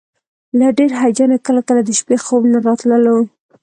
له ډېر هیجانه کله کله د شپې خوب نه راتللو.